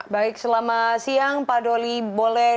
baik selamat siang pak doli boleh